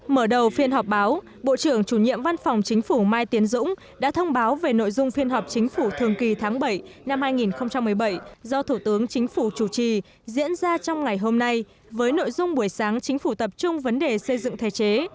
mở đầu phiên họp báo bộ trưởng chủ nhiệm văn phòng chính phủ mai tiến dũng đã thông báo về nội dung phiên họp chính phủ thường kỳ tháng bảy năm hai nghìn một mươi bảy do thủ tướng chính phủ chủ trì diễn ra trong ngày hôm nay với nội dung buổi sáng chính phủ tập trung vấn đề xây dựng thể chế